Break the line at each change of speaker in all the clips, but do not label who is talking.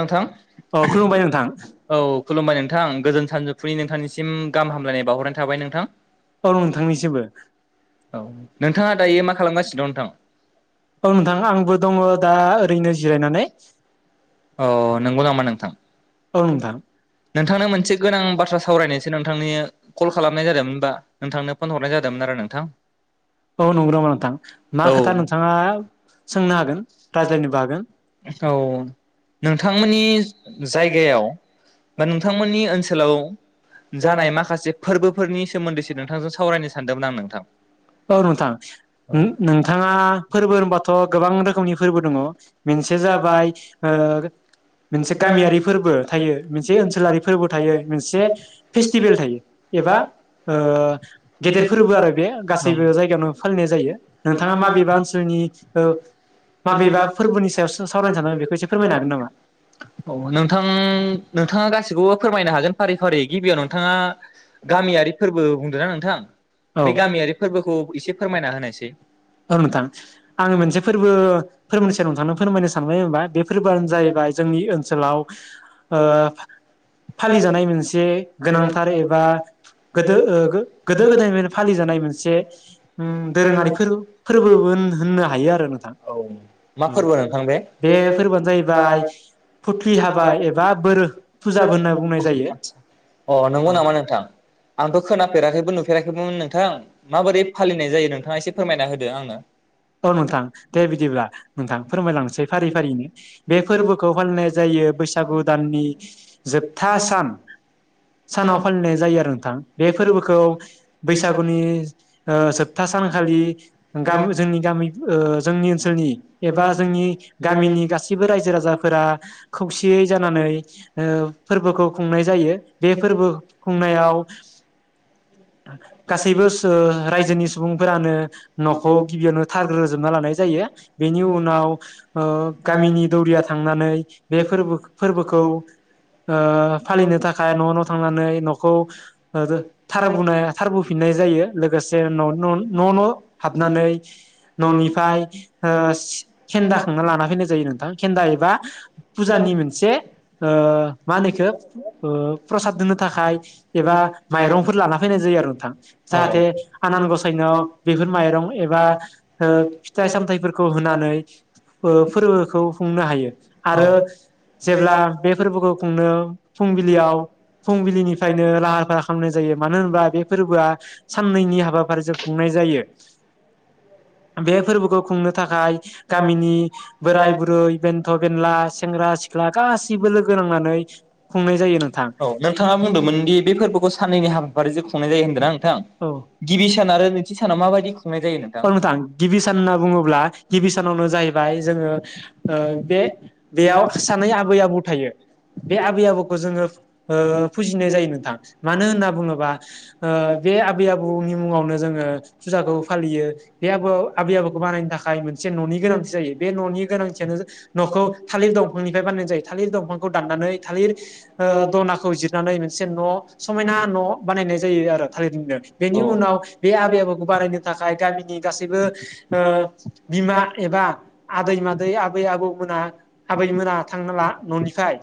नोंथां
अ खुलुमबाय नोंथां
औ खुलुमबाय नों नोंथां गोजोन सानजौफुनि नोंथांनिसि म गाहाम हामलायनाय बावहरनाय थाबाय नों नोंथां।
औ नोंथांनिसिमबो।
औ नोंथाङा दायो मा खालामगासिनो दं नोंथां
औ नोंथां आंबो दङ दा ओरैनो जिरायनानै।
अ नंगौ नामा नोंथां?
औ नोंथां
नोंथांनो मोनसे गोनां बाथ्रा सा सावरायनोसो नोंथांनिया कल खालामनाय जादोंमोन होमबा। नोंथांनो फन हरनाय जादोंमोन आरो नोंथां।
औ नंगौ नामा नोंथां मा
औ
खोथा नोंथाङा सोंनो हागोन रायज्लायनोबो हागोन।
औ नोंथांमोननि जायगायाव बा नोंथांमोननि ओनसोलाव जानाय माखासे फोर्बोफोरनि सोमोन्दैसो नोंथांजों सावरायनो सानदोंमोन आं नोंथां।
औ नोंथां
औ
नो-नोंथाङा फोरबो होनबाथ' गोबां रोखोमनि फोरबो दङ। मोनसे जाबाय ओ मोनसे गामियारि फोरबो थायो मोनसे ओनसोलारि फोरबो थायो मोनसे फेस्टिभेल थायो एबा ओ गेदेर फोरबो आरो बे गासै गासैबो जायगायावनो फालिनाय जायो नोंथाङा माबेबा ओनसोलनि ओ माबेबा फोरबोनि सायाव सो सावरायनो सानदोंमोन बेखौ एसे फोरमायनो हा
औ नोंथां नोंथाङा गासिखौबो फोरमायनो हागोन फारि फारि गिबियाव नोंथाङा गामियारि फोरबो बुंदों ना नोंथां बे
औ गामियारि फोरबोखौ एसे फोरमायना होनायसै औ नोंथां आं मोनसे फोरबो फोरबोनिनि सायावनो नोंथां फोरमायनो सानबाय होनबा फोरबोआनो जाहैबाय जोंनि ओनसोलाव ओ फालिजानाय मोनसे गोनांथार एबा गोदो गोदो
औ
गोदा दोरोङारि फोरबो फोरबोबो होननो हायो आरो नोंथां
मा
औ
फोरबो नोंथां बे बे
फोरबोआनो जाहैबाय फुथ्लि हाबा एबा बोर फुजाबो होनना बुंनाय जायो।
अ नंगौ नामा नोंथां आंथ' खोनाफेराखैबो नु फेराखैबोमोन नोंथां माबोरै फालिनाय जायो नोंथाङा एसे फोरमायना होदो आंनो
औ नोंथां दे बिदिब्ला नोंथां फोरमायलांनोसै फारि फारियैनो बे फोरबोखौ फालिनाय जायो बैसागु दाननि जोबथा सान सानाव फालिनाय जायो आरो नोंथां बे फोरबोखौ बैसागुनि ओ जोबथा सानखालि गामि जोंनि गामि ओ जोंनि ओनोलनि एबा जोंनि गामिनि गासैब गासैबो रायजो राजाफोरा खौसेयै जानानै ओ फोरबोखौ खुंनाय जायो बे फोरबो खुंनायाव गासैबो सो रायजोनि सुबुंफोरानो न'खौ गिबियावनो थारग्रो जोबना लानाय जायो बेनि उनाव ओ दौरिया थांनानै बे फोरबो फोरबोखौ ओ फालिनो थाखाय न' न' थांनानै न'खौ ओ थारबोनो थारबोफिननाय जायो लोगोसे न' न' न' हाबनानै न'निफ्राय ओ खेन्दा खांना लाना फै नोंथां खेन्दा एबा फुजानि मोनसे ओ मा होनोखौ प्रसाद होनोनो थाखाय एबा माइरंफोर लाना फैनाय जायो आरो नोंथां जाहाथे आनान गसाइनायाव बेफोर माइरं एबा ओ फिथाइ सामथफोरखौ होनानै ओ फोथ खौ खुंनो हायो आरो जेब्ला बे फोरबोखौ खुंनो फुंबिलियाव फुंबिलिनिफ्रायनो लाहार फाहार खालामनाय जायो मानो होनोबा बे फोरबोआ साननैनि हाबाफारिजों खुंनाय जायो बे फोरबोखौ खुंनो थाखाय गामिनि बुरै बेन्थ' बेनला सेंग्रा सिख्ला गासिबो लोगो नांनानै खुंनाय जायो नोंथां
औ बादि जे खुंनाय जायो होनगोन आं थां
औ
गिबि सान आरो नैथि सानाव माबायदि खुंनाय जायो नोंथां औ नोंथां गिबि सान होनना बुङोब्ला गिबि सानावनो जाहैबाय
ओ बे बेयाव सानै आबै आबौ थायो बे आबै आबौखौ जोङो ओ फुजिनाय जायो नोंथां मानो होनना बुङोबा ओ बे आबै आबौनि मुङावनो जोङो फुजाखौ फालियो बे आबौ आबै आबौखौ बानायनो थाखाय मोनसे न'नि गोनांथि जायो बे गोनांथियो जे न'खौ थालिर दंफांनिफ्राय बानायनाय जायो थालिर दंफांखौ दाननानै थालिर ओ दनाखौ जिरनानै मोनसे न' समायना न' बानायनाय जायो आरो थालिरनो बेनि उनाव बे आबै आबौ बानायनो थाखाय गामिनि गासैबो ओ बिमा एबा आदै मादै आबै आबौ मोना आबै मोना थांना ला न'निफ्राय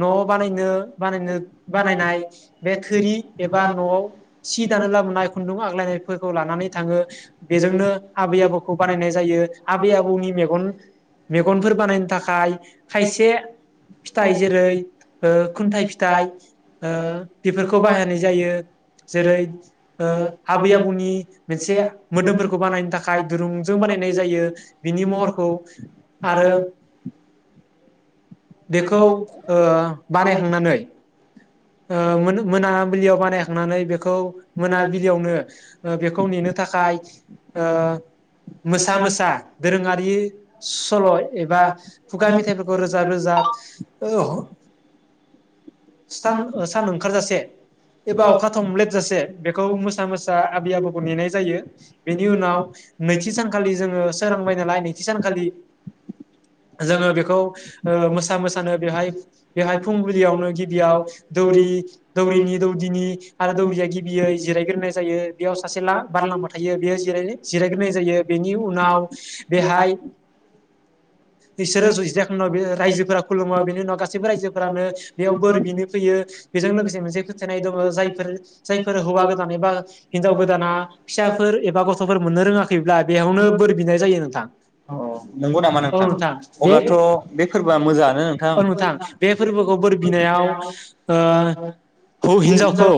न' बानायनो बानायनो बानायनाय बे थोरि एबा न'आव सि दानो लाबोनाय खुन्दुं आग्लायनायफोरखौ लानानै बेनो आब आबौ बानायनाय जायो आब आबौनि मेगनफोर बानायनो थाखाय खायसे फिथाइ जेरै खुन्थाइ फिथाइ ओ बेफोरखौ बाहायनाय जायो जेरै आबै आबौनि। मोनसे मोदोमफोरखौ बानायनो थाखाय दुरुंजों बानायनाय जायो बिनि महर आरो बेखौ ओ बानायखांनानै मोनाबिलियाव बानायखांनानै बेखौ मोनाबिलियावनो बेखौ नेनो थाखाय ओ मोसा मोसा दोरोङारि सल' एबा खुगा मेथाइफोरखौ रोजाब रोजाब सान सान ओंखारजासे एबा अखा थमब्लेटजासे बेखौ मोसा मोसा आबै आबौखौ नेनाय जायो बेनि उनाव नैथि सानखालि जोङो सोरांबाय नालाय नैथि सानखालि जोङो बेखौ। मोसा मोसानो बेहाय बेहाय फुंबिलियावनो गिबियाव दौरि दौरिनि दौदिनि आरो दौरिया गिबियै जिरायग्रोनाय जायो बेयाव सासे ला बार'लामभा थायो बेयो ज जिरायग्रोनाय जायो बेनि उनाव बेहाय बिसोरो जिरायखां रायजोफोरा खुलुमो बेनि उनाव गासैबो रायजोफोरानो बोर बिनो फैयो बेजों लोगोसे मोनसे फोथायनाय दङ जायफोर जायफोर हौवा गोदान एबा हिनजाव गोदाना फिसाफोर एबा गथ'फोर मोननो रोङाखैब्ला बेयावनो बोर बिनाय जायो नोंथां
औ
औ नोंथां बे
फोरबोया मोजाङानो नोंथां।
औ बे फोरबोखौ बिनायाव ओ हिनजावखौ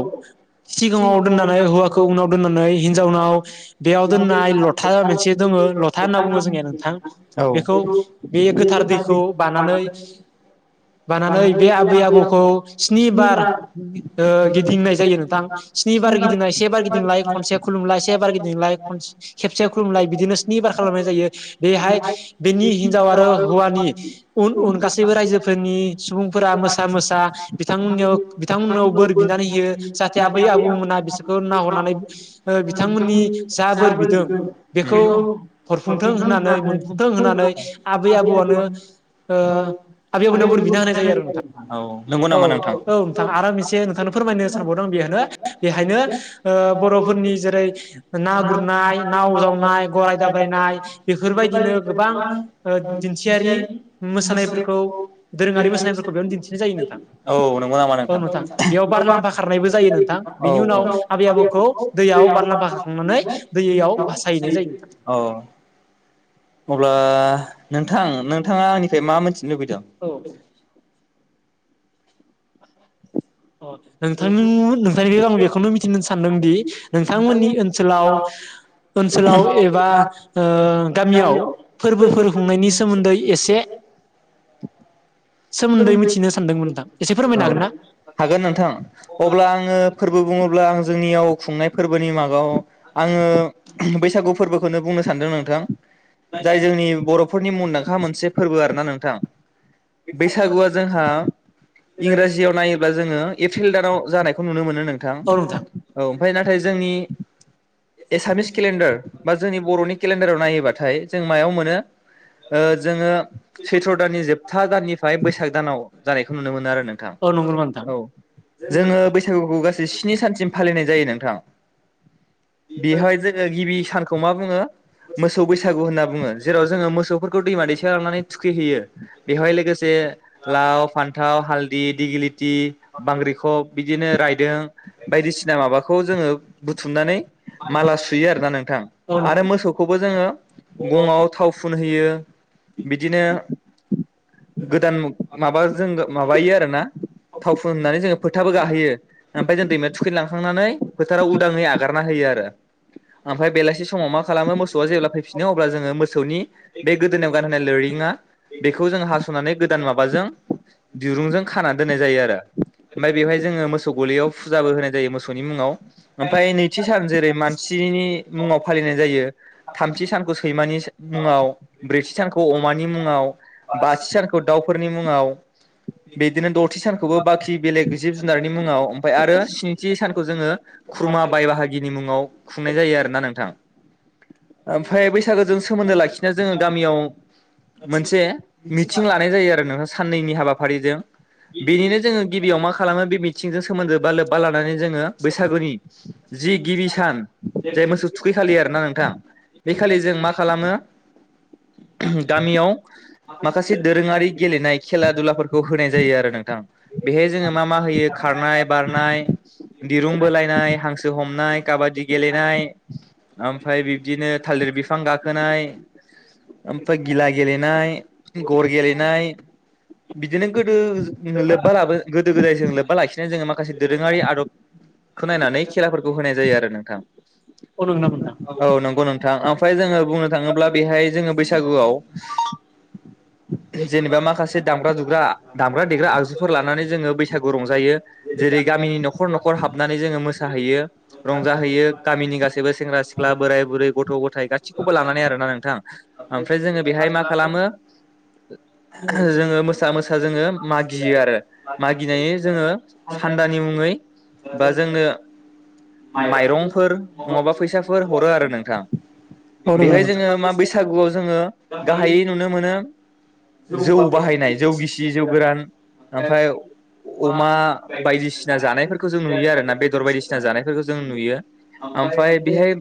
सिगाङाव दोननानै हौवाखौ उनाव दोननानै हिनजावनाव बेयाव दोननाय लथा मोनसे दङ लथा होनना बुङो जोंनिया नोंथां
औ
बेखौ बे गोथार दै खौ बानानै बानानै बे [unintelligible] आबै आबौखौ स्नि बार गिदिंनाय जायो नोंथां स्नि बार गिदिंलनाय से बार गिदिंलाय खनसे खुलुमलाय से बार गिदिंलाय खेबसे खुलुमलाय बिदिनो स्नि बार खालामनाय जायो बेहाय बेनि हिनजाव आरो हौवानि उन उन गासैबो रायजोफोरनि सुबुं फोरा मोसा मोसा बिथांमोननियाव बिथांमोननाव बोर बिनानै होयो जाहाथे आबै आबौमोना बिसोरखौ नाहरनानै बिथांमोननि जा बोर बिदों बेखौ हरफुंथों होननानै मोनफुंथों होननानै आबै आबौआनो ओ आबै आबौमोननियाव बोर बिना होनाय जायो आरो।
नंगौ
औ औ
नामा
नोंथां आर मोनसे नोंथांनो फोरमायनो सानबावदों आं बेहनो बेहायनो बर'फोरनि जेरै ना गुरनाय नाव जावनाय गराय दाब्रायनाय बेफोरबायदिनो गोबां दिन्थियारि मोसानायफोरखौ दोरोङारि मोसानायफोरखौ बेयावनो दिन्थिनाय जायो नोंथां
औ नंगौ नामा
औ
नोंथां
बेयाव बारलाम्फा खारनायबो जायो नोंथां बिनि उनाव
औ
आबै आबौखौ दैयाव बारलाम्फा खारखांनानै दैयाव भासायहैनाय जायो नोंथां
औ [unintelligible] नोंथां नोंथाङा आंनिफ्राय मा मोन थिनो लुबैदों।
अ नोंथांनि नोंथांनिफ्राय आं बेखौनो मिथिनो सानदोंदि नोंथांमोननि ओनसोलाव ओनसोलाव एबा ओ गामियाव फोरबोफोर खुंनायनि सोमोन्दै एसे सोमोन्दै मिथिनो सानदोंमोन नोथां एसे फोरमायनो हागोन ना
औ हागोन नोंथां अब्ला आङो फोरबो बुङोब्ला आं जोंनिया व खुंनाय फोरबोनि माबाव आङो बैसागु फोरबोखोनो बुंनो सान्दों नोंथां जाय जोंनि बर'फोरनि मुंदांखा मोनसे फोरबो आरो ना नोंथां बैसागुआ जोंहा इंराजियाव नायोब्ला जोङो एप्रिल दानाव जानायखौ नुनो मोनो नोंथां औ ओमफ्राय नाथाय जोंनि एसामिस केलेन्डार बा जोंनि बर'नि केलेन्डाराव नायोबाथाय जों मायाव मोनो ओ जोङो सैथ्र दाननि जोबथा दाननि फाय बैसाग दानाव जानायखो नुनो मोनो आरो नोंथां
औ नंगौ नामा नोंथां?
औ जोङो बैसागुखौ गासै स्नि सानसिम फालिनाय जायो नोंथां बेहाय जोङो गिबि सान खौ मा बुङो मोसौ बैसागु होनना बुङो जेराव जो मोसौफोर खौ दैमा दैसायाव लांनानै थुखैहोयो बेवहाय लोगो से लाव फान्थाव हाल दि दिग्लि थि बांग्रिखब बिदिनो रायदों बायदिसिना माबाखौ जोङो बुथुमनानै माला सुयो आरोना नोंथां आरो मोसौखौबो जोङो गङाव थाव फुनहोयो बिदिनो गोदान माबा जोङो माबायो आरोना थाव फुन होनानै जोङो फोथाबो गाहोयो ओमपाय जों दैमायाव थुखै लांखांनानै फोथाराव उदाङै आगारना होयो आरो ओमफाय बेलासि समाव मा खालामो मोसौआ जेब्ला फैफिनो अब्ला जोङो मोसौनि बे गोदोनायाव गानहोनाय लोरिङा बेखौ जों हास नानै गोदान माबाजों दिरुंजों खाना दोननाय जायो आरो ओमाय बेवहाय जोङो मोसौ गलियाव फुजाबो होनाय जायो मोसौनि मुङाव ओमफाय नैथि सान जेरै मानसिनि मुङाव फालिनाय जायो थामथि सानखौ सैमानि मुङाव ब्रैथि सानखौ अमानि मुङाव बा थि सानखौ दाउफोरनि मुङाव बेदिनो दथि सानखौबो बाखि बेलेग जिब जुनारनि मुङाव ओमफाय आरो स्निथि सानखौ जोङो खुरमा बाय बाहागिनि मुङा [unintelligible] खुंनाय जायो आरो ना नोंथां ओमफ्राय बैसागोजों सोमोन्दो लाखिनो जोङो गामियाव मोनसे मिथिं लानाय जायो आरो ना साननैनि हाबाफारिजों बेनिनो जोङो गिबियाव मा खालामो बे मिथिंजों सोमोन्दो बा लोब्बा लानानै जोङो बैसागुनि जि गिबि सान जाय मोसौ थुखै खालि आरोना नोंथां। बेखालि जों मा खालामो गामियाव माखासे दोरोङारि गेलेनाय खेला दुलाफोरखौ होनाय जायो आरो नोंथां बेहाय जोङो मा मा होयो खारनाय, बारनाय, दिरुं बोलायनाय, हांसो हमनाय, काबादि गेलेनाय, ओमफ्राय बिब्दिनो थालिर बिफां गाखोनाय, ओमफ्राय गिला गेलेनाय, गर गेलेनाय, बिदिनो गो दो लोब्बा लाबो गोदो गोदाय जों लोब्बा लाखिनानै जोङो मा माखासे दोरोङारि आदब खो नायनानै खेलाफोरखौ होनाय जायो आरो नोंथां।
औ नंगौ नामा नोंथां
औ नंगौ नोंथां ओमफ्राय जोङो बुंनो थाङोब्ला बेहाय जोङो बैसागुआव जेनेबा माखासे दामग्रा दुग्रा दाम दामग्रा देग्रा आगजुफोर लानानै जोङो बैसागु रंजायो जेरै गामिनि न'खर न'खर हाबनानै जोङो मोसाहैयो रंजाहैयो गामिनि गासैबो सेंग्रा-सिख्ला, बोराय-बुरै, गथ'-गथाय गासिखौबो लानानै आरो ना नोंथां ओमफ्राय जोङो बेहाय मा खालामो जोङो मोसा मोसा जोङो मागियो आरो मागिनायनि जोङो सान्दानि मुङै बा जोंनो माइरंफोर नङाबा फैसाफोर हरो आरो नोंथां। बेहाय जोङो मा बैसागुआव जोङो गाहायै नुनो मोनो जौ बाहायनाय जौ गिसि जौ गोरान ओमफ्राय अमा बायदिसिना जानायफोरखौ जों नुयो आरो ना बेदर बायदिसिना जानाय जों नुयो ओमफ्राय बेहाय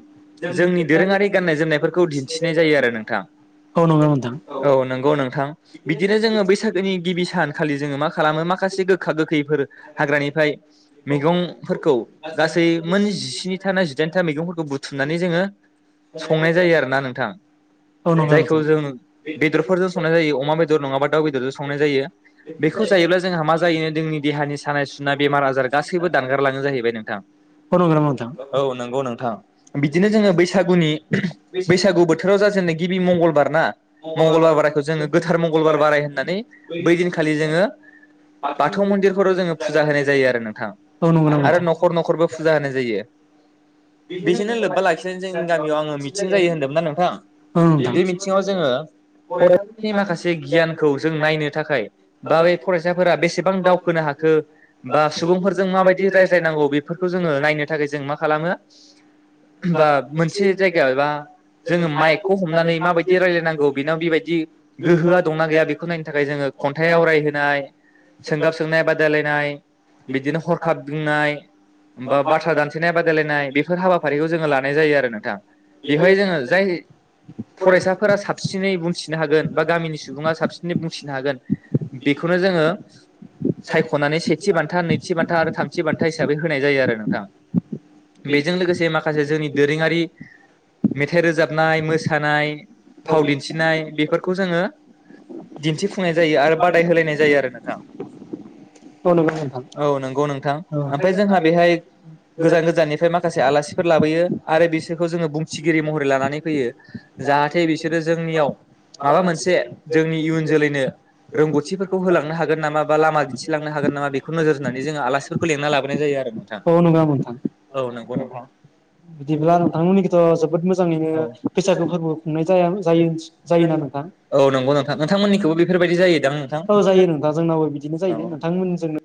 जोंनि दोरोङारि गाननाय जोमनायफोरखौ दिन्थिनाय जायो आरो नोंथां।
औ नंगौ नोंथां।
औ नोंगौ नोंथां बिदिनो जोङो बैसागोनि गिबि सान खालि जोङो मा खालामो माखासे गोखा गोखैफोर हाग्रानिफ्राय मैगंफोरखौ गासै मोन जिस्नि था ना जिदाइनथा मैगंफोरखौ बुथुमनानै जोङो संनाय जायो आरोना नोंथां
नंगौ
जायखौ जों बेदरफोरजों संनाय जायो, अमा बेदर नङाबा दाउ बेदरजों संनाय जायो। बेखौ जायोब्ला जोंहा मा जायो जोंनि देहानि सानाय सुनाय बेमार आजार गासैबो दानगारलाङो जाहैबाय नोंथां।
औ नंगौ नामा नोंथां?
औ नोंगौ नोंथां। बिदिनो जोङो बैसागुनि बैसागु बोथोराव जाजेननो गिबि मंगलबार ना मंगलबार बारायखौ जोङो गोथार मंगलबार बाराय होननानै बै दिनखालि जोङो बाथौ मन्दिरफोराव जोङो फुजा होनाय जायो आरो नोंथां आरो न'खर न'खरबो फुजा होनाय जायो। बेजोंनो लोब्बा लाखिनानै जोंनि गामियाव आङो मिथिं जायो होनदोंमोनना नोंथां बे मिथिङाव जोङो फरायसानि माखासे गियानखौ जों नायनो थाखाय बा बे फरायसाफोरा बेसेबां दावखोनो हाखो बा सुबुंफोरजों माबायदि रायज्लायनांगौ बेफोरखौ जोङो नायनो थाखाय जों मा खालामो बा मोनसे जायगायाव एबा जोङो माइकखौ हमनानै माबायदि रायलायनांगौ बेनाव बेबायदि गोहोआ दंना गैया बेखौ नायनो थाखाय जोङो खन्थाइ आवरायहोनाय सोंगाब सोंनाय बादायलायनाय बिदिनो हरखाब बुंनाय होमबा बाथ्रा दानथेनाय बादायलायनाय बेफोर हाबाफारिखौ जोङो लानाय जायो आरो नोंथां बेवहाय जोङो जाय फरायसाफोरा साबसिनै बुंथिनो हागोन बा गामिनि सुबुङा साबसिनै बुंथिनो हागोन बेखौनो जोङो सायखनानै सेथि बान्था नैथि बान्था आरो थामथि बान्था हिसाबै होनाय जायो आरो नोंथां बेजों लोगोसे माखासे जोंनि दोरोङारि मेथाइ रोजाबनाय मोसानाय फाव दिन्थिनाय बेफोरखौ जोङो दिन्थिफुंनाय जायो आरो बादाय होलायनाय जायो आरो नोंथां
औ नंगौ नोंथां
औ नंगौ नोंथां ओमफ्राय जोंहा बेहाय गोजान गोजाननि माखासे आलासिफोर लाबोयो आरो बिसोरखौ जोङो बुंथिगिरि महरै लानानै फैयो जाहाथे बिसोरो जोंनियाव माबा मोनसे जोंनि इयुन जोलैनो रोंगौथिफोरखौ होलांनो हागोन नामा बा लामा दिन्थिलांनो हागोन नामा बेखौ नोजोर होनानै जोङो आलासिफोरखौ लेंंना लाबोनाय जायो आरो नोंथां
नोजोर होनानै आलासिफोर लेंना लाबोनाय जायो औ नंगौ नोंथां
औ नंगौ नोंथां
बिदिब्ला नोंथांमोननिखैथ' जोबोद मोजाङैनो बैसागो फोरबो खुंनाय जाया जायो जायोना नोंथां
औ नोंथांमोननिखौबो बेफोरबायदि जायी दा नोंथां औ
जायो नोंथां जोंनावबो बिदिनो नोंथांमोनजोंनो
जायो